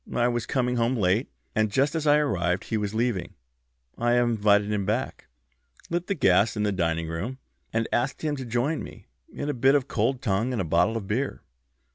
I was coming home late, and just as I arrived he was leaving. I invited him back, lit the gas in the dining room, and asked him to join me in a bit of cold tongue and a bottle of beer.